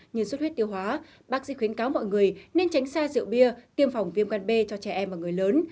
như suốt huyết tiêu hóa bác sĩ khuyến cáo mọi người nên tránh xa rượu bia tiêm phòng viêm gan b cho trẻ em và người lớn